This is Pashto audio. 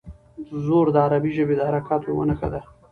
زور د عربي ژبې د حرکاتو یوه نښه ده.